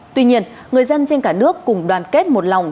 tuy nhiên người dân trên cả nước cùng đoàn kết một lòng